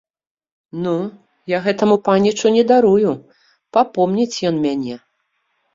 Ну, я гэтаму панічу не дарую, папомніць ён мяне!